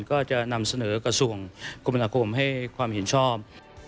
ก็จะนำเสนอกระทรวงคมนาคมให้ความเห็นชอบ